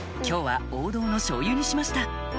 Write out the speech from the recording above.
今日は王道のしょうゆにしました